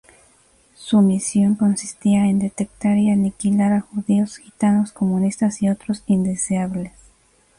Su misión consistía en detectar y aniquilar a judíos, gitanos, comunistas y otros "indeseables".